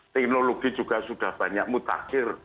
teknologi juga sudah banyak mutakhir